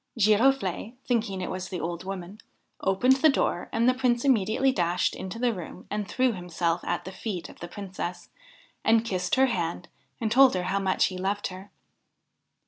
Giroflde, thinking it was the old woman, opened the door, and the Prince immediately dashed into the room and threw himself at 59 THE HIND OF THE WOOD the feet of the Princess, and kissed her hand and told her how much he loved her.